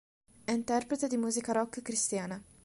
È interprete di musica rock cristiana.